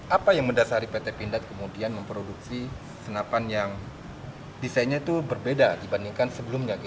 apa yang mendasari pt pindad kemudian memproduksi senapan yang desainnya itu berbeda dibandingkan sebelumnya